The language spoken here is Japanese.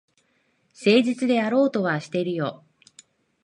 誠実であろうとはしてるよ。